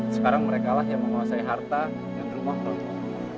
sekarang merekalah yang menguasai harta dan rumah perempu